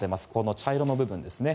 茶色の部分ですね。